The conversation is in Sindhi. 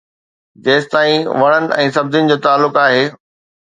جيستائين وڻن ۽ سبزين جو تعلق آهي.